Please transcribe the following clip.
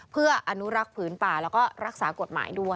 เพื่ออนุรักษ์ผืนป่าแล้วก็รักษากฎหมายด้วย